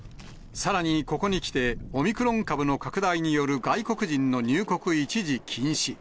さらに、ここにきて、オミクロン株の拡大による外国人の入国一時禁止。